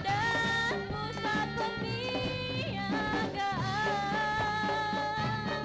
dan pusat pembiagaan